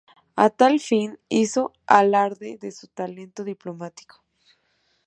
A tal fin hizo alarde de su talento diplomático.